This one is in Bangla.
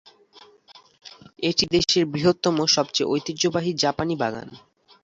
এটি দেশের বৃহত্তম, সবচেয়ে ঐতিহ্যবাহী জাপানি বাগান।